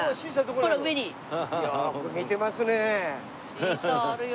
シーサーあるよ。